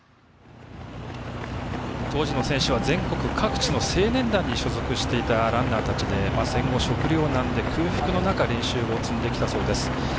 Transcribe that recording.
当時の選手は全国各地の青年団に所属していたランナーたちで戦後、食糧難で空腹の中練習を積んできたそうです。